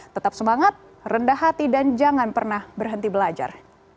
tetap semangat rendah hati dan jangan pernah berhenti belajar